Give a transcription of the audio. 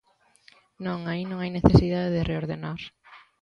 Non, aí non hai necesidade de reordenar.